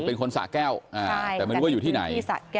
เป็นคนสะแก้วแต่ไม่รู้ว่าอยู่ที่ไหน